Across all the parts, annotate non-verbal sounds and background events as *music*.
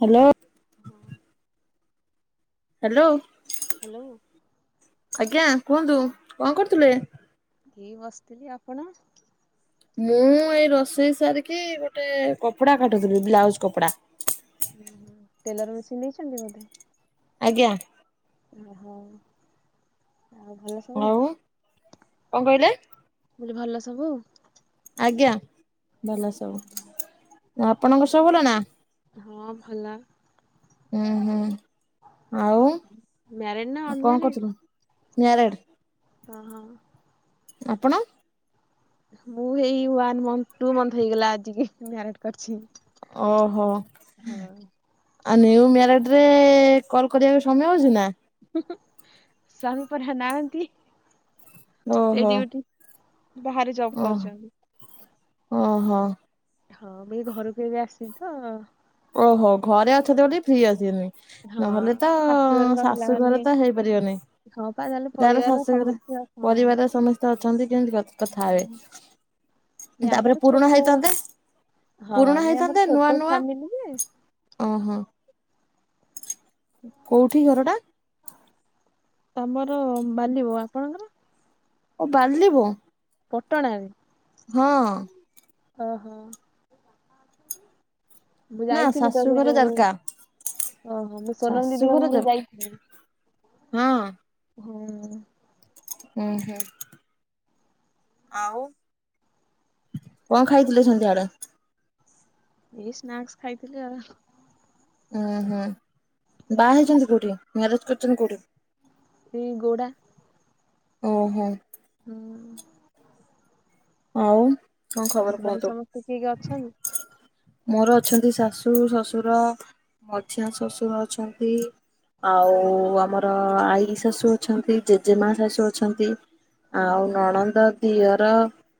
Hello. ହଁ। Hello. Hello. ଆଜ୍ଞା କୁହନ୍ତୁ କଣ କରୁଥିଲେ? କେ ବସିଥିଲି ଆପଣ? ମୁଁ ଏଇ ରୋଷେଇ ସାରିକି ଗୋଟେ କପଡା କାଟୁଥିଲି ବ୍ଲାଉଜ୍ କପଡା। ଓ ହ ଟେଲର ମେସିନ୍ ନେଇଛନ୍ତି ବୋଧେ? ଆଜ୍ଞା। ଓହୋ ଆଉ ଭଲ ସବୁ ନା? ହଉ କଣ କହିଲେ। ମୁଁ କହିଲି ଭଲ ସବୁ। ଆଜ୍ଞା ଭଲ ସବୁ ଆପଣଙ୍କ ସବୁ ଭଲ ନା। ହଁ ଭଲ। ଉୁଁ ହୁଁ ଆଉ ମ୍ୟାରେଡ୍ ନା କଣ ଅନମ୍ୟାରେଡ୍? କରୁଥିଲ ନିଆରେଡ। ଓ ହଁ। ଆପଣ। ମୁଁ ହେଇ ଉଆନ ମନ୍ଥ ଟୁ ମନ୍ଥ ହେଇଗଲା ଆଜାକି ମ୍ୟାରେଡ କରିବା। ଓହୋ। କରଛି ହଁ। ଆଉ ନିୟୁ ମ୍ୟାରେଡ ରେ କଲ୍ କରିବାକୁ ସମୟ ହଉଛି ନା। ହୁଁ ହୁଁ ସ୍ଵାମୀ ପରା ନାହାଁନ୍ତି। ଓହୋ। ବାହାରେ ଜବ୍ କରୁଛନ୍ତି। ଓଁହୋ। ହଁ ମୁ ଘରକୁ ଏବେ ଆସିବି ତ। ଓହୋ ଘରେ ଅଛନ୍ତି ବୋଲି ଫ୍ରି ଅଛନ୍ତି। ହଁ ନହେଲେ ତ ଆଉ ଶାଶୁଘରେ ରହିଲା ଶାଶୁ ମାନେ ଘରେ ତ ହେଇପାରିବନି। ହଁ ପା ନହେଲେ ତାହାର ପରିବାରର ଶାଶୁଘରେ ସମସ୍ତେ ହଁ। ପରିବାରର ସମସ୍ତେ ଅଛନ୍ତି କିମିତି କଥା ହେବେ। ଯେ ଆମର ତାପରେ ପୁରୁଣା ଛୋଟ ହେଇଥାନ୍ତେ ହଁ ପୁରୁଣା ନାଇଁ ଆମର ହେଇଥାନ୍ତେ ଛୋଟ ନୂଆ ନୂଆ। ଫ୍ୟାମିଲି ଯେ ଓହୋ। କୋଉଠି ଘରଟା। ତମର ବାଲିବ ଆପଣଙ୍କର। ଓ ବାଲିବୋ। ପଟଣାରେ। ହଁ। ହ ହୋ। ମୁଁ ନା ଯାଇଥିଲି ତ ସେ ଶାଶୁଘର ଯୋଉ ଜାରକା ଓହୋ ମୁଁ ସୋନମ ଦିଦିଙ୍କ ଶାଶୁଘର ଘରୁକୁ ଜାରକା ଯାଇଥିଲି। ହଁ। ହଁ। ହୁଁ ହୁଁ। ଆଉ କଣ ଖାଇଥିଲେ ସନ୍ଧ୍ୟ ଆଡେ। ଏଇ ସ୍ନାକ୍ସ ଖାଇଥିଲି ଆଉ। ଓଁ ହୁଁ ବାହା ହେଇଛନ୍ତି କୋଉଠି ମ୍ୟାରେଜ କରିଛନ୍ତି କୋଉଠି। ଏଇ ଗୋଡ଼ା। ଓହୋ। ହୁଁ। ଆଉ କଣ ଆଉ ଖବର ଘରେ କୁହନ୍ତୁ। ସମସ୍ତେ କିଏ କିଏ ଅଛନ୍ତି? ମୋର ଅଛନ୍ତି ଶାଶୁ ଶଶୁର ମଝିଆ ଶଶୁର ଅଛନ୍ତି। ଆଉ ଆମର ଆଈ ଶାଶୁ ଅଛନ୍ତି ଜେଜେମା ଶାଶୁ ଅଛନ୍ତି। ଆଉ ଓହୋ, ନଣନ୍ଦ ଦିଅର।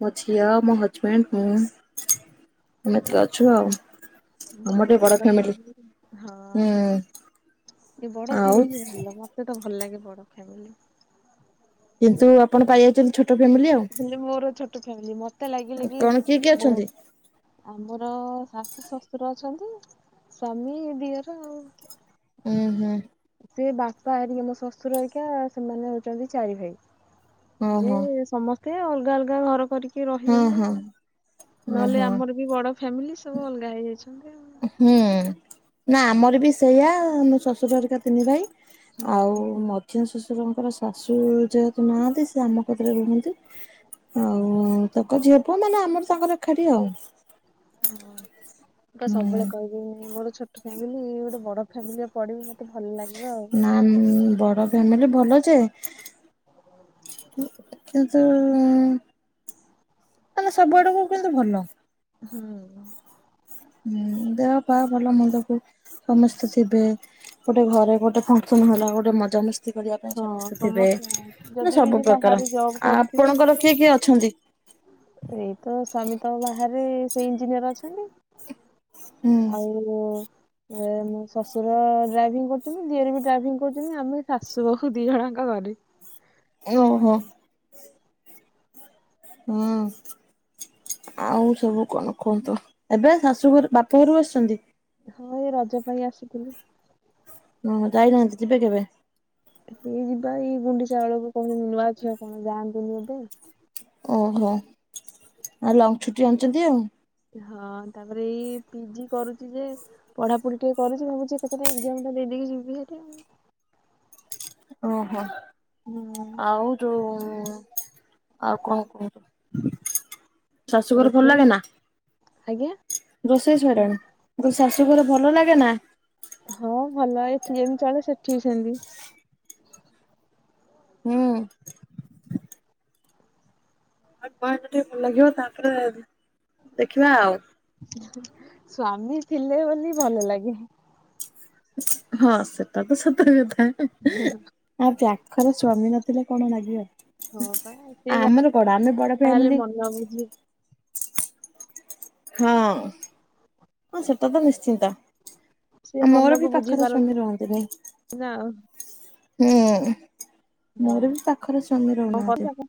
ମୋ ଝିଅ ମୋ ହଜବେଣ୍ଡ ମୁ ଆମେ ଏତିକ ଅଛୁ ଆଉ। ହୁଁ ଆମର ଟିକେ ବଡ ବଡ଼ ଫ୍ୟାମିଲି ଫାମିଲ ରେ। ହୁଁ ବଡ ଆଉ ଫ୍ୟାମିଲି ଭଲ ମତେ ତ ଭଲ ଲାଗେ ବଡ ଫ୍ୟାମିଲି। କିନ୍ତୁ ଆପଣ ପାଇଯାଇଛନ୍ତି ଛୋଟ। ଛୋଟ ଫ୍ୟାମିଲୀ ଆଉ। ହେଲେ ମୋର ଛୋଟ ଫ୍ୟାମିଲି ମତେ ଲାଗିଲେ କି କଣ କିଏ କିଏ ମୁଁ ଅଛନ୍ତି? ଆମର ଶାଶୁ ଶଶୁର ଅଛନ୍ତି। ସ୍ଵାମୀ ଦିଅର ଆଉ। ଉଁ ହୁଁ। ସେ ବାପା ହେରିକି ମୋ ଶ୍ୱଶୁର ହାରିକା ସେମାନେ ହଉଚନ୍ତି ଚାରି ଭାଇ। ଯେ ଓହୋ ସମସ୍ତେ ଅଲଗା ଅଲଗା ଘର କରିକି ଏ ହଁ ରହିଛନ୍ତି ହଁ ଆଉ ଓ ନହେଲେ ହଁ। ଆମର ବି ବଡ ଫ୍ୟାମିଲି ସବୁ ଅଲଗା ହେଇଯାଇଚନ୍ତି ଆଉ। ହୁଁ ନା ଆମର ବି ସେଇଆ ଶ୍ୱଶୁର ହରିକା ତିନି ଭାଇ ଆଉ ହୁଁ। ମ ଝିଆଁ ଶ୍ୱଶୁରଙ୍କର ଶାଶୁ ଯେହେତୁ ନାହାନ୍ତି ସେ ଆମ କତିରେ ରୁହନ୍ତି। ଆଉ ତାଙ୍କ ଝିଅ ପୁଅ ମାନେ ଆମର ତାଙ୍କର ଏକାଠି ଆଉ। ହଁ। ମୁଁ ପା ସବୁବେଳେ ହୁଁ କହିବି ମୋର ଛୋଟ ଫ୍ୟାମିଲି ଗୋଟେ ବଡ ଫ୍ୟାମିଲି ପଡ଼ିବି ମତେ ଭଲ ଲାଗିବ ଆଉ। ବଡ ଫ୍ୟାମିଲି ଭଲ ଯେ କିନ୍ତୁ ମାନେ ସବୁ ଆଡକୁ କିନ୍ତୁ ଭଲ। ହୁଁ। ହୁଁ ଦେହ ପା ଭଲ ମନ୍ଦକୁ ସମସ୍ତେ ଥିବେ। ଗୋଟେ ଘରେ ଗୋଟେ ଫଙ୍କସନ ହେଲା ଗୋଟେ ମଜା ମସ ତି କରିବା ପାଇଁ ସମସ୍ତେ ଥିବେ ମ ଯଦି ବି ସବୁ ଯିଏ ପ୍ରକାର। ବାହାରେ ଜବ୍ ଆ କରୁଥିବେ ଆପଣଙ୍କର କିଏ କିଏ ଅଛନ୍ତି? ଏଇତ ସ୍ବାମୀ ତ ବାହାରେ ସେଇ ଇଞ୍ଜିନିୟର ଅଛନ୍ତି ଆଉ ହୁଁ ଶ୍ୱଶୁର ଡ୍ରାଇଭିଂ କରୁଚନ୍ତି ଦିଅରେ ବି ଡ୍ରାଇଭିଂ କରୁଚନ୍ତି ଆମେ *unintelligible* ଓହୋ। ହୁଁ। ଆଉ ସବୁ କଣ କୁହନ୍ତୁ। ଏବେ ଶାଶୁ ଘରୁ ବାପ ଘରୁ ଆସିଚନ୍ତି? ହଁ ଏ ରଜ ପାଇଁ ଆସିଥିଲି। ହଁ ଯାଇନାହାନ୍ତି ଯିବେ କେବେ? ଏଇ ଯିବା ଏଇ ଗୁଣ୍ଡିଚା ବଳକୁ କହୁ ନୂଆ ଝିଅ କଣ ଯାଆ ନ୍ତିନି ଏବେ। ଓହୋ ଆଉ ଲଙ୍ଗ ଛୁଟି ଆଣିଚନ୍ତି ଆଉ। ହଁ ତାପରେ ଏଇ ପି ଜି କରୁଚି ଯେ ପଢ଼ାପଢି ଟିକେ କରୁଚି ଭାବୁଚି ଏକା ଥରେ ଏଜାମ ଟା ଦେଇଦେଇକି ଯିବି ହାରି ଆଉ। ଓହୋ। ଆଉ। ଆଉ? ଯୋଉ ଆଉ କଣ କୁହ? ହଁ ଶାଶୁଘର ଭଲ ରୋଷେଇ ଲାଗେ ନା? ଆଜ୍ଞା ରୋଷେଇ ସଇଲାଣି। ମୁଁ କହିଲି ଶାଶୁଘର ଭଲ ଲାଗେ ନା? ହଁ ଭଲ ଏଠି ଯେମିତି ଚଳେ ସେଠିକି ସେମିତି। ହୁଁ। *unintelligible* ଟିକେ ଭଲ ଲାଗିବ ତାପରେ ଦେଖିବା ଆଉ। ସ୍ଵାମୀ ଥିଲେ ବୋଲି ଭଲ ଲାଗେ। ହଁ ସେଟା ତ ସତ କଥା। ଆ ପାଖରେ ସ୍ଵାମୀ ନଥିଲେ କଣ ଲାଗିବ। ହଁ ପା ସେ ଆମର କଣ ଆମେ ବଡ ଯାହାହେଲେ ଫ୍ୟାମିଲି ମନ ବୁଝି ହଁ। ହଁ ସେଟା ତ ନିଶ୍ଚିନ୍ତ।। ସେ ଆ ମୋର ବି ମନକୁ ବୁଝି ପାଖରେ ସ୍ୱାମୀ ପାରନ୍ତି ରହନ୍ତିନି ନା ଆଉ ହୁଁ। ମୋର ବି ପାଖର ସ୍ବାମୀ ହଁ କଣ କରୁଚ ରହୁନାହାନ୍ତି। ଆପଣ?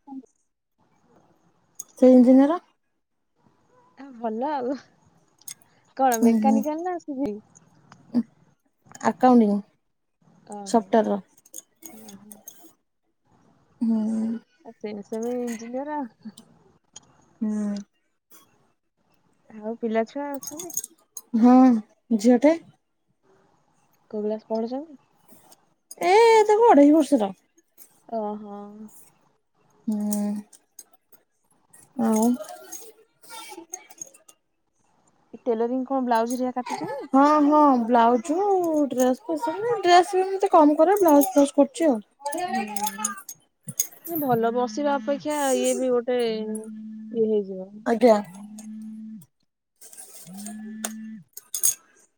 ସେ ଇଞ୍ଜିନିୟର। ଆ ଭଲ ଆଉ। କଣ ହୁଁ ହୁଁ ମେକାନିକାଲ ନା ଆସିବି। ଆକାଉଣ୍ଟିଂ ଓ ହୋ। ସଫ୍ଟୱେର ଓୋ ହୁଁ ଆ ସେନ ସେ ଏଞଜିନୟର। ହୁଁ। ଆଉ ପିଲାଛୁଆ ଅଛନ୍ତି? ହଁ ଝିଅଟେ। କୋଉ କ୍ଲାସ ପଡୁଛନ୍ତି? ଏ ତାକୁ ଅଢ଼େଇ ବର୍ଷ ର ଓହୋ। ହୁଁ। ଆଉ? ଟେଲରିଂ କଣ ବ୍ଲାଉଜ ରେଆ କାଟୁଛନ୍ତି ନ? ହଁ ହଁ ବ୍ଲାଉଜ ଡ୍ରେସ୍ ଡ୍ରେସ ବି ମତେ କମ କରେ ବ୍ଲାଉଜ ଫ୍ଲାଉଜ କରୁଛି ଆଉ। ହୁଁ ଭଲ ବସିବା ଅପେକ୍ଷା ଇଏ ବି ଗୋଟେ ସେ ଇଏ ହେଇଯିବ। ଆଜ୍ଞା। ହୁଁ।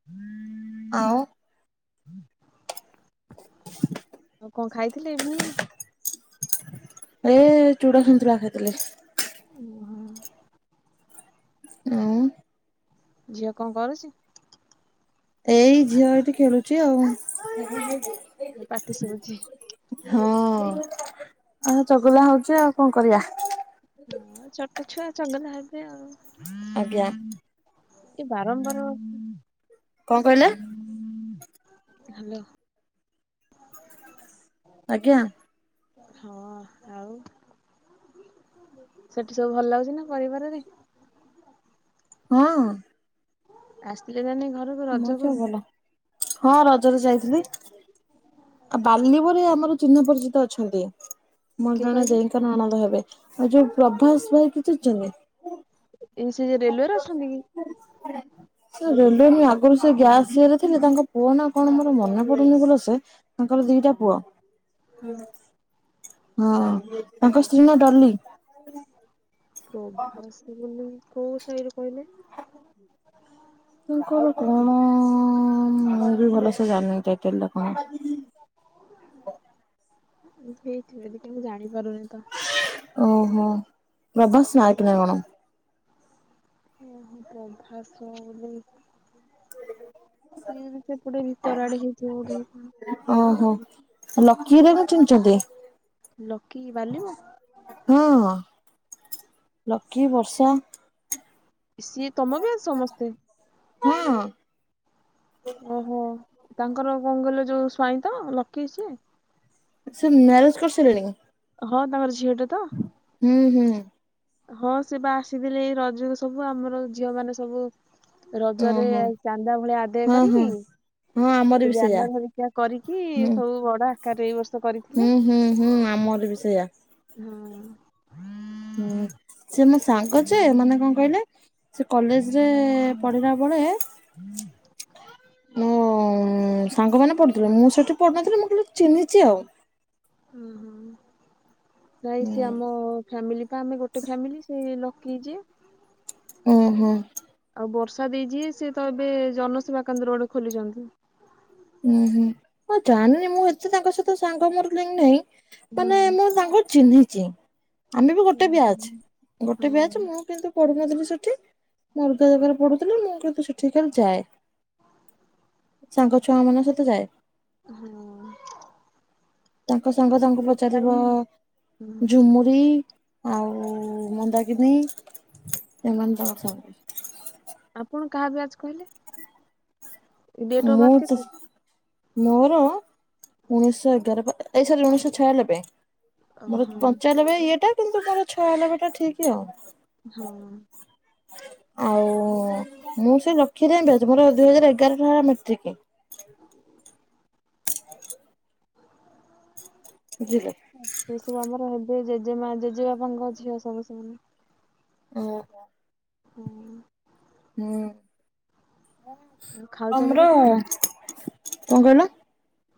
ହୁଁ *unintelligible* ଆଉ ଆଉ କଣ ଖାଇଥିଲେ ଇଭିନିଂ ରେ? ଏ ଚୁଡା ସନ୍ତୁଳା ଖାଇଥିଲେ ଓହ ଆଉ ଝିଅ କଣ କରୁଛି? ଏଇ ଝିଅ ଏଇଠି ଖେଳୁଛି ଆଉ ତା ପାଟି ଶୁଭୁଛି ହ ଆଉ ଚଗୁଲା ହଉଚ ଆଉ କଣ କରିବା ହଁ ଛୋଟ ଛୁଆ ଚଗଲା ହେବେ ଆଉ ଆଜ୍ଞା ଏ ବାରମ୍ବାର କଣ କହିଲେ? ହୁ ହ୍ୟାଲୋ ଆଜ୍ଞା ହଁ ଆଉ ସେଠି ସବୁ ଭଲ ଲାଗୁଛି ନା କରିବାରରେ ହଁ ଆସିଥିଲେ ତାନେ ଘରୁ ମୋର ସବୁ ଭଲ ହଁ ରଜରେ ଯାଇଥିଲି ଆଉ ବାଲିବୁରି ଆମର ଚିହ୍ନା ପରିଚିତ ଅଛନ୍ତି ମୋର କିଏ ଜଣେ କହିଲେ ଦେଇ ନଣଦ ହେବେ ଆଉ ଯୋଉ ପ୍ରଭାସ ଭାଇକୁ ଚିହ୍ନିଛନ୍ତି ଏ ସେ ଯଉ ରେଲୱରେ ଅଛନ୍ତି କି ସେ ରେଲୱେ ନୁହେଁ ଆଗରୁ ସେ ଗ୍ୟାସ୍ ସିରେ ଥିଲେ ତାଙ୍କ ପୁଅ ନା କଣ ମୋର ମନେ ପଡୁନି ଭଲସେ ତାଙ୍କର ଦିଟା ପୁଅ ହଁ ହଁ ତାଙ୍କ ସ୍ତ୍ରୀ ନା ଡଲି ପ୍ରଭାସ ବୋଲି ମାନେ କୋଉ ଶାହିରେ କହିଲେ ହ *inaudible* *unintelligible* କଣ କଣ ମୁଁ ବି ଭଲସେ ଜାଣିନି ଟାଇଟେଲ ଟା କଣ। ହେଇଥିବେ ଟିକ ମୁଁ ଜାଣିପାରୁନି ତ। ଓହୋ ପ୍ରଭାସ ନାଇକେ ନା କଣ। ଓହୋ ପ୍ରଭାସ ବୋଲି। ସିଏ ଜଦି ସେପଟେ ଭିତର ଆଡେ ହେଇଥିବ ବୋଧେ। ଓହୋ ଲକିଅରିକା କୁ ଚିହ୍ନିଛନ୍ତି? ଲକି ବାଲିବ। ହଁ ଲକି ବର୍ଷା। ସିଏ ତମ ବ୍ୟାଚ ସମସ୍ତେ? ହଁ। ଓହୋ ତାଙ୍କର କଣ କହିଲ ଯୋଉ ସ୍ଵାଇଁ ତ ଲକି ସ୍ୱାଇଁ। ସେ ମ୍ୟାରେଜ କରିସାରିଲେଣି କି? ହଁ ତାଙ୍କର ଝିଅ ଟେ ତ। ହୁଁ ହୁଁ। ହଁ ସେ ବା ଆସିଥିଲି ଏଇ ରଜ ରେ ସବୁ ଆମର ଝିଅ ମାନେ ସବୁ ରଜରେ ଓହୋ ଚାନ୍ଦା ଭଳିଆ ଆଦାୟ ହଁ ହଁ। କରିକି ହଁ ଆମର ସେ ବି ସେଇଆ ବ୍ୟାନର ଭରିକା କରିକି ହୁଁ ସବୁ ବଡ ଆକାର ଏଇ ବର୍ଷ କରି ହୁଁ ହୁଁ ହୁଁ ଆମର ବି ସେଇଆ। ହଁ। ହୁଁ ସିଏ ମୋ ସାଙ୍ଗ ଯେ ମାନେ କଣ କହିଲେ ସେ କଲେଜ ରେ ପଡ଼ିଲା ବେଳେ ହୁଁ *unintelligible* ମୋ ସାଙ୍ଗମାନେ ପଢୁଥିଲେ ମୁଁ ସେଠି ପଢୁନଥିଲି ମୁଁ ଖାଲି ଚିହ୍ନିଛି ଆଉ। ହୁଁ ହୁଁ। ନାଇ ସେ ଆମ ଫାମିଲି ପା ଆମେ ଗୋଟେ ଫ୍ୟାମିଲି ସେ ଲକିଯେ। ଓୁଁ ହୁଁ। ଆଉ ବର୍ଷା ଦେଇ ଯିଏ ସେ ତ ଏବେ ଜନସେବା କେନ୍ଦ୍ର ଗୋଟେ ଖୋଲିଛନ୍ତି। ଉୁଁ ହୁଁ ମୁଁ ଜାଣିନି ମୁଁ ଏତେ ତାଙ୍କ ସହିତ ସାଙ୍ଗ ମୋର ନାହିଁ। ହୁଁ ମାନେ ମୁ ତାଙ୍କୁ ଚିହ୍ନିଛି। ଆମେ ବି ଗୋଟେ ବିଆଚ୍ ହଁ ଗୋଟେ ବିଆଚ୍ ମୁଁ କିନ୍ତୁ ପଢୁନଥିଲି ସେଠି *inaudible* ଜାଗାରେ ପଢୁଥିଲି ମୁଁ କିନ୍ତୁ ସେଠି ଯାଏ। ସାଙ୍ଗଛୁଆ ମାନ ସାଥ ଯାଏ। ହଁ। ତାଙ୍କ ସାଙ୍ଗ ତାଙ୍କୁ ସ୍କୁଲ ପଚାରିବ ଟାଇମ ହୁଁ ଝୁମରି ଆଉ ମନ୍ଦାଗନି ଏମାନେ ତ ସବୁ। ଆପଣ କାହା ବିଆଜ କହିଲେ? ଡେଟ୍ ଅଫ୍ ମୁଁ ବାର୍ଥ ତ କେତେ? ମୋର ଉଣେଇଶଶହ ଏଗାର ଏଇ ସରି ଉଣେଇଶହ ଛୟାନବେ। ଓହୋ ମୋର ପଞ୍ଚାନବେ ଇଏଟା କିନ୍ତୁ ମୋର ଛୟାନବେ ଟା ଠିକ ଆଉ। ହଁ। ଆଉ ମୁଁ ସେ ରଖିଦ ମୋର ଦୁଇ ହଜାର ଏଗାର ଟା ହେଲା ମଟ୍ରିକ। ବଝିଲ? ସେ ସବୁ ଆମର ହେବେ ଜେଜେମା ଜେଜେବାପାଙ୍କ ଝିଅ ସବୁ ସେମାନେ। ଓହୋ। ହୁଁ। ହୁଁ ଆଉ ଖାଉଛନ୍ତି ଆମର କେତେବେଳେ? କଅଁ କହିଲ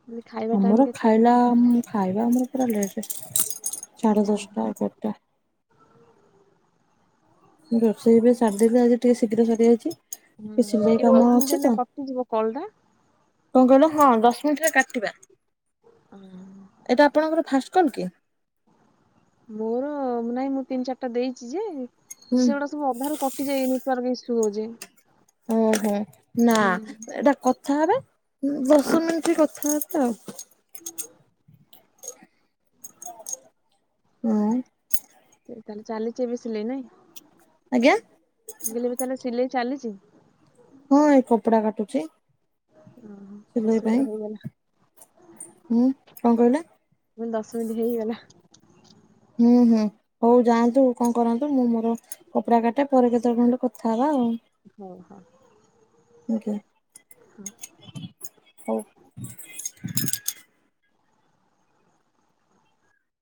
କହିଲି ଖାଇବା ଟାଇମ ଆମର କେତେବେଳେ? ଖାଇଲା ଖାଇବା ଆମର ପୁରା ଲେଟ୍ ସାଢ଼େ ଦଶଟା ଉପରେ। ମୁଁ ରୋଷେଇ ଏବେ ସାରିଦେଲୁ ଆଜି ଟିକେ ଶୀଘ୍ର ସରିଯାଇଛି। ହୁଁ ଟିକେ ସିଲେଇ ଏଇଟା କାମ ଅଛି ଦଶମିଣ୍ଟିଟରେ ଏହନା କଟି ଯିବ କଲ ଟା। କଅଁ କହିଲ ହଁ ଦଶ ମିନିଟ ରେ କାଟିବା। ହଁ ହ। ଏଇଟା ଆପଣଙ୍କର ଫାଷ୍ଟ କଲ୍ କି? ମୋର ନାଇଁ ମୁଁ ତିନି ଚାରିଟା ଦେଇଛି ଯେ ହୁଁ ସେଗୁଡା ମୁଁ ଅଧାରୁ କଟିଯାଇ ନି ନେଟୱାର୍କ ଇସ୍ୟୁ ହଉଛି। ଓହୋ ନା ହୁଁ ଏଇଟା କଥା ହେବେ ଦଶ ମିନିଟ କଥା ହେବେ ଆଉ। ହୁଁ *unintelligible* ହୁଁ। ତାହେଲେ ଚାଲିଛି ଏବ ସିଲେଇ ନାଇଁ। ଆଜ୍ଞା। ମୁଁ କଇଲି ଏବେସିଲେଇ ଚାଲିଛି। ମୁଁଏଇ କପଡା କାଟୁଛି। ଓହୋ। ଦଶ ସିଲେଇ ପାଇଁ ମିନିଟ ହେଇଗଲା ହୁଁ କଅଁ କହିଲେ? ମୁଁ କହିଲି ଦଶ ମିନିଟ୍ ହେଇଗଲା। ହୁଁ ହୁଁ ହଉ ଯାଆନ୍ତୁ କଣ କରନ୍ତୁ ମୁଁ ମୋର କପଡା କାଟେ ପରେ କେତେଳେ କଣ୍ଚେ, କଥା ହବା ଆଉ। ହଉ ହଁ। ଦେଖିଆ ହଉ।